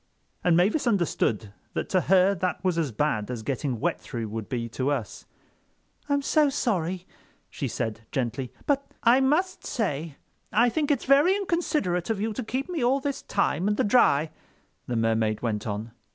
And Mavis understood that to her that was as bad as getting wet through would be to us. "I'm so sorry," she said gently, "but—" "I must say I think it's very inconsiderate of you to keep me all this time in the dry," the Mermaid went on.